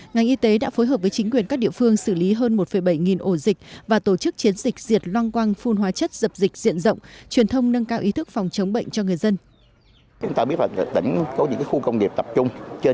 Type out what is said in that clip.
ngành y tế đã phối hợp với chính quyền các địa phương xử lý hơn một bảy nghìn ổ dịch và tổ chức chiến dịch diệt loang quang phun hóa chất dập dịch diện rộng truyền thông nâng cao ý thức phòng chống bệnh cho người dân